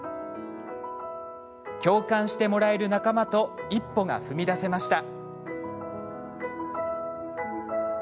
共感してもらえる仲間と一歩が踏み出せました。